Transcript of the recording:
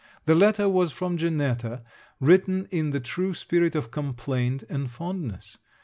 The letter was from Janetta, written in the true spirit of complaint and fondness.